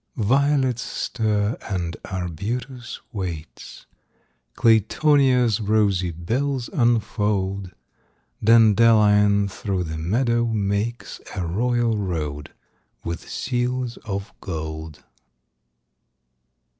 Violets stir and arbutus waits, Claytonia's rosy bells unfold; Dandelion through the meadow makes A royal road, with seals of gold.